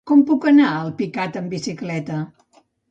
Com puc arribar a Alpicat amb bicicleta?